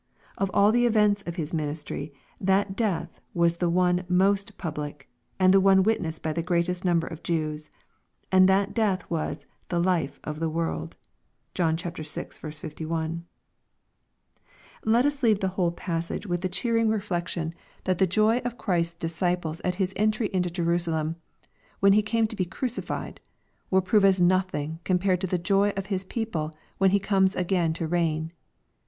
Of all the events of His min istry, that death was the one most public, and the one witnessed by the greatest number of Jews. And that death was the '' life of the world." (John vi. 51.) Let us leave the whole j)assage with the cheering LUKE, CHAP. XIX. 811 reflection, that the joy of Christ's discip.es at His entry into Jerusalera/when He came to be crucified, will prove as nothing compared to the joy of His people when He comes again to reign.